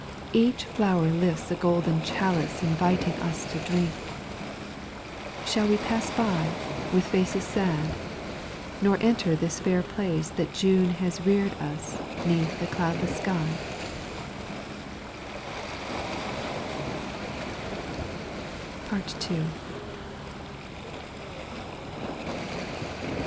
each flower lifts a golden chalice Inviting us to drink Shall we pass by, With faces sad, nor enter this fair palace That June has rear'd us 'neath a cloudless sky? PART TWO.